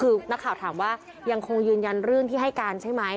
คือนักข่าวถามว่ายังคงยืนยันเรื่องที่ให้การใช่ไหม